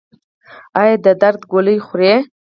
ایا د درد ګولۍ خورئ؟